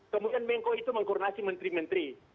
kemudian menko itu mengkurnasi menteri menteri